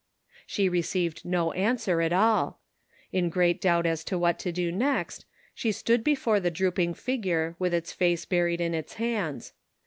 She received no answer at all. In great doubt as to what to do next, she stood be fore the drooping figure with its face buried in its hands.